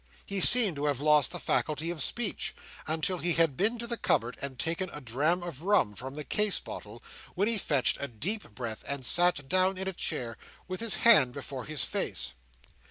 He seemed to have lost the faculty of speech, until he had been to the cupboard and taken a dram of rum from the case bottle, when he fetched a deep breath, and sat down in a chair with his hand before his face.